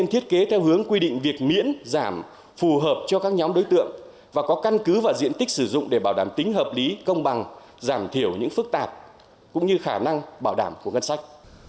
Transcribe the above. thiết kế theo hướng quy định việc miễn giảm phù hợp cho các nhóm đối tượng và có căn cứ và diện tích sử dụng để bảo đảm tính hợp lý công bằng giảm thiểu những phức tạp cũng như khả năng bảo đảm của ngân sách